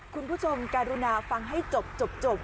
คุณผู้ชมการุณาฟังให้จบ